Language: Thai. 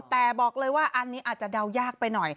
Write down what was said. แต่บอกเลยว่าอันนี้อาจจะเดายากไปหน่อย